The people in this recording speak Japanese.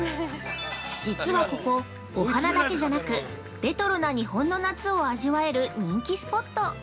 ◆実はここ、お花だけじゃなくレトロな日本の夏を味わえる人気スポット！